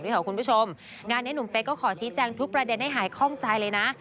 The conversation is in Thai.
คุณผู้ชมงานนี้หนุ่มเป๊กก็ขอชี้แจงทุกประเด็นให้หายคล่องใจเลยนะ